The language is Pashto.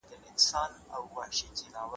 خلک د حل لارې لټوي.